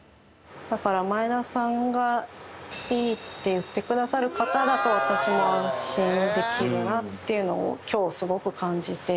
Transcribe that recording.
だから前田さんがいいって言ってくださる方だと私も安心できるなっていうのを今日すごく感じて。